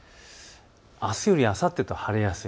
あすよりあさってと晴れやすい。